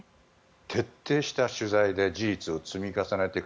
徹底した取材で事実を積み重ねていく。